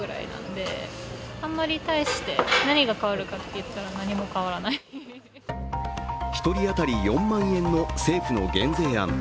一方で１人当たり４万円の政府の減税案。